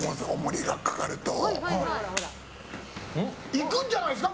いくんじゃないですか？